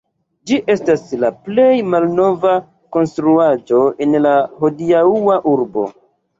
Ĝi estas la plej malnova konstruaĵo en la hodiaŭa urbo.